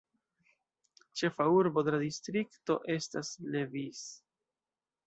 Ĉefa urbo de la distrikto estas Levice.